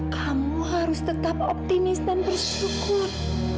kamu harus tetap optimis dan bersyukur